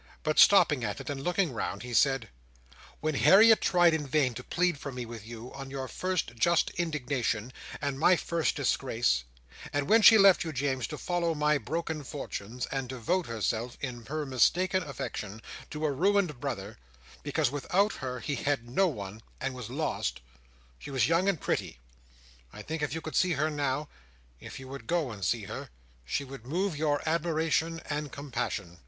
But stopping at it, and looking round, he said: "When Harriet tried in vain to plead for me with you, on your first just indignation, and my first disgrace; and when she left you, James, to follow my broken fortunes, and devote herself, in her mistaken affection, to a ruined brother, because without her he had no one, and was lost; she was young and pretty. I think if you could see her now—if you would go and see her—she would move your admiration and compassion."